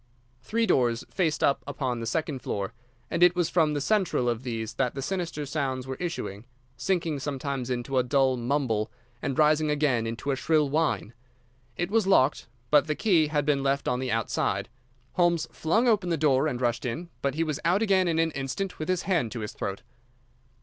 Three doors faced up upon the second floor, and it was from the central of these that the sinister sounds were issuing, sinking sometimes into a dull mumble and rising again into a shrill whine. It was locked, but the key had been left on the outside. Holmes flung open the door and rushed in, but he was out again in an instant, with his hand to his throat.